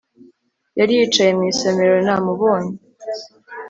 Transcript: Yari yicaye mu isomero namubonye